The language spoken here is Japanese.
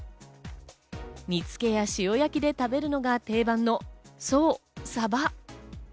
煮付けや塩焼きで食べるのが定番の、そう、サバ。